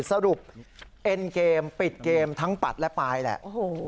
สรุปเอ็นเกมปิดเกมทั้งปัดและปายแหละ